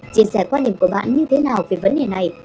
chia sẻ quan điểm của bạn như thế nào về vấn đề này